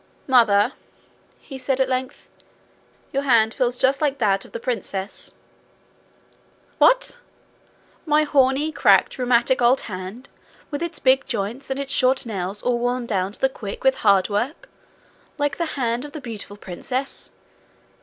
'Mother,' he said at length, 'your hand feels just like that of the princess.' 'What! My horny, cracked, rheumatic old hand, with its big joints, and its short nails all worn down to the quick with hard work like the hand of the beautiful princess!